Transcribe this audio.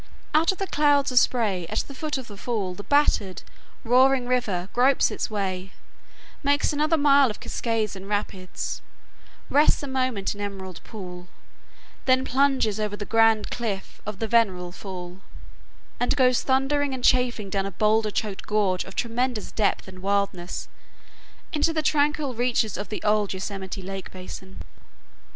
Out of the clouds of spray at the foot of the fall the battered, roaring river gropes its way, makes another mile of cascades and rapids, rests a moment in Emerald Pool, then plunges over the grand cliff of the Vernal Fall, and goes thundering and chafing down a boulder choked gorge of tremendous depth and wildness into the tranquil reaches of the old Yosemite lake basin.